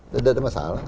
tidak ada masalah